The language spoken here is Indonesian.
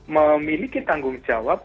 memiliki tanggung jawab